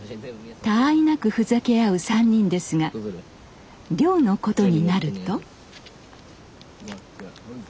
たあいなくふざけあう３人ですが漁のことになると。